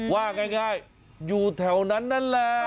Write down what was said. ว่าง่ายอยู่แถวนั้นนั่นแหละ